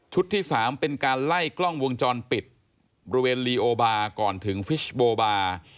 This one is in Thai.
ที่๓เป็นการไล่กล้องวงจรปิดบริเวณลีโอบาร์ก่อนถึงฟิชโบบาร์